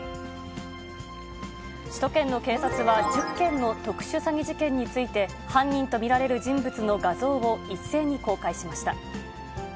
首都圏の警察は、１０件の特殊詐欺事件について、犯人と見られる人物の画像を一斉に公開しました。